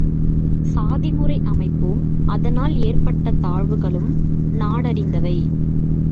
சாதிமுறை அமைப்பும், அதனால் ஏற்பட்ட தாழ்வுகளும் நாடறிந்தவை.